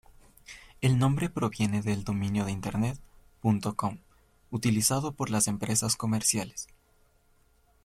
El nombre proviene del dominio de internet ".com", utilizado por las empresas comerciales.